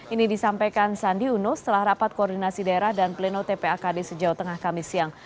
ini disampaikan sandiaga uno setelah rapat koordinasi daerah dan pleno tpa kd se jawa tengah kamis siang